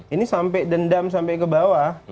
ini sampai dendam sampai ke bawah